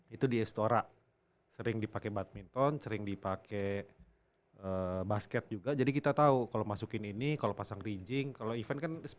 itu di estora sering dipakai badminton sering dipakai basket juga jadi kita tahu kalau masukin ini kalau pasang rincing kalau event itu di estoran